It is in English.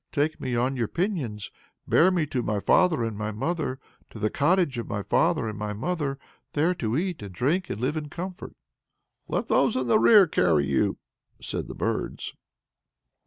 Take me on your pinions, Bear me to my father and my mother, To the cottage of my father and my mother, There to eat, and drink, and live in comfort. "Let those in the rear carry you!" said the birds.